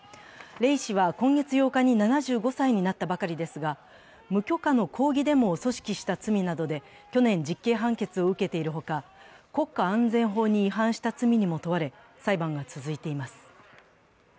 黎氏は今月７日に７５歳になったばかりですが無許可の抗議デモを組織した罪などで去年、実刑判決を受けているほか国家安全法に違反した罪にも問われ裁判が続いています。